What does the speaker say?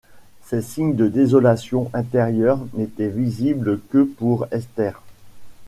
Ces signes de désolation intérieure n’étaient visibles que pour Esther.